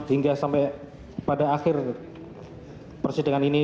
hingga sampai pada akhir persidangan ini